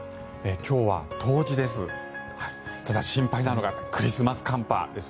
今日は冬至です。